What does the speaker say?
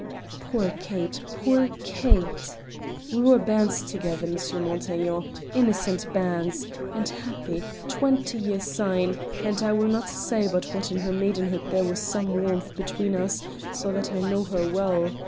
"Poor Kate! poor Kate! We were bairns together, M. Montaiglon, innocent bairns, and happy, twenty years syne, and I will not say but what in her maidenhood there was some warmth between us, so that I know her well.